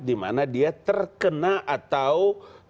di mana dia terkena atau